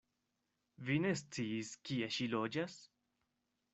Vi ne sciis, kie ŝi loĝas?